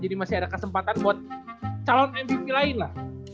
jadi masih ada kesempatan buat calon mvp lain lah